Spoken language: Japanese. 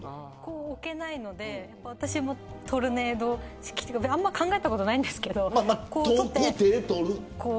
置けないので私もトルネード式というかあまり考えたことないんですけれど。